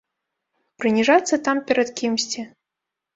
Прыніжацца там перад кімсьці.